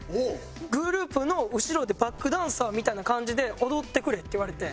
「グループの後ろでバックダンサーみたいな感じで踊ってくれ」って言われて。